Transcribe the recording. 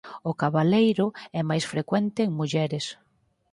O cabaleiro é máis frecuente en mulleres.